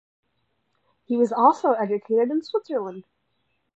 He was also educated in Switzerland.